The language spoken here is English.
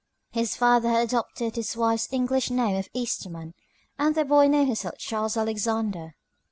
His father had adopted his wife's English name of Eastman, and the boy named himself Charles Alexander.